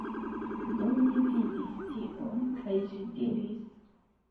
Do mi vidis tion, kaj ĝi diris...